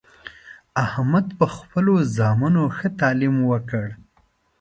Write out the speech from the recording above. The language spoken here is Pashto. احمد په خپلو زامنو ښه تعلیم وکړ